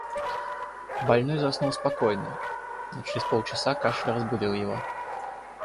Больной заснул спокойно, но чрез полчаса кашель разбудил его.